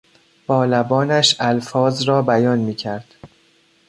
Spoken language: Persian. با لبانش الفاظ را بیان میکرد.